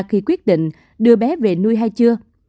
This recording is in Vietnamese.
khi quyết định đưa bé về nuôi hay chưa